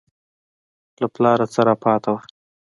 له پلاره څه راپاته وو.